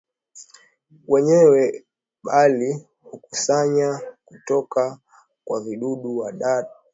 wenyewe bali hukusanya kutoka kwa vidudu wadudu na